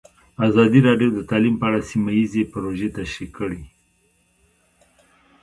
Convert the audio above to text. ازادي راډیو د تعلیم په اړه سیمه ییزې پروژې تشریح کړې.